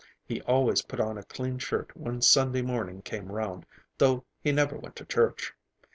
He always put on a clean shirt when Sunday morning came round, though he never went to church.